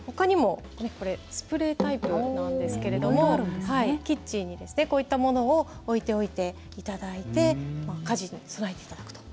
他にもスプレータイプなんですがキッチンに、こうったものを置いておいていただいて火事に備えていただくと。